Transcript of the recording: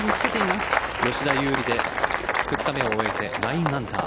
吉田優利２日目を終えて９アンダー。